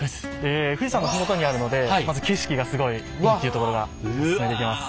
富士山の麓にあるのでまず景色がすごいっていうところがおすすめできます。